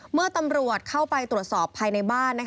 เมื่อตำรวจเข้าไปตรวจสอบภายในบ้าน